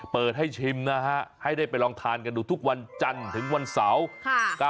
เปิดให้ชิมนะฮะให้ได้ไปลองทานกันดูทุกวันจันทร์ถึงวันเสาร์